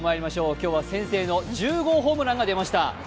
今日は先制の１０号ホームランが出ました。